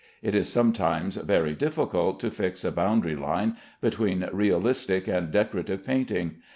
It is sometimes very difficult to fix a boundary line between realistic and decorative painting.